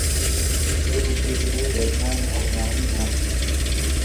زۆر وشەی درێژ لە زمانی ئەڵمانی ھەن.